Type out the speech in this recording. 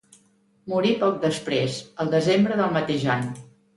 Morí poc després, el desembre del mateix any.